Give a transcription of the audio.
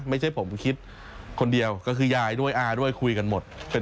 ไม่ใช่ผมคิดคนเดียวก็คือยายด้วยอาด้วยคุยกันหมด